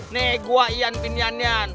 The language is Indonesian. nih gue ian bin janjan